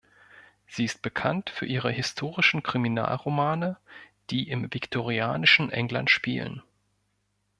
Sie ist bekannt für ihre historischen Kriminalromane, die im viktorianischen England spielen.